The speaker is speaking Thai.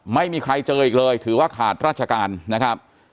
ไม่มีใครเจออีกเลยถือว่าขาดราชการนะครับ